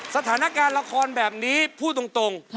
สถานการณ์ละครแบบนี้พูดตรง